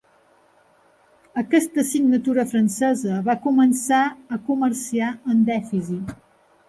Aquesta signatura francesa va començar a comerciar amb dèficit.